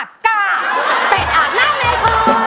เต็ดอ่านหน้าแม่คอน